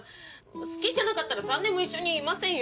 好きじゃなかったら３年も一緒にいませんよ！